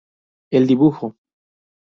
El dibujo.